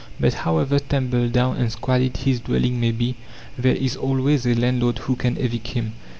But, however tumble down and squalid his dwelling may be, there is always a landlord who can evict him.